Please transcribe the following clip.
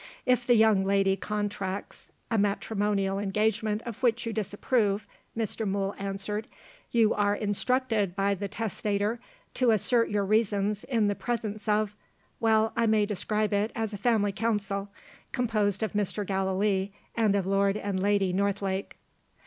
"If the young lady contracts a matrimonial engagement of which you disapprove," Mr. Mool answered, "you are instructed by the testator to assert your reasons in the presence of well, I may describe it, as a family council; composed of Mr. Gallilee, and of Lord and Lady Northlake."